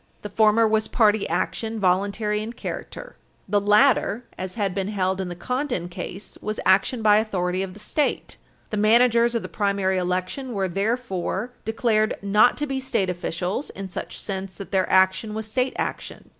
The former was party action, voluntary in character. The latter, as had been held in the Condon case, was action by authority of the State. The managers of the primary election were therefore declared not to be state officials in such sense that their action was state action.